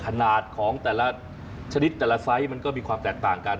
ขนาดของแต่ละชนิดแต่ละไซส์มันก็มีความแตกต่างกัน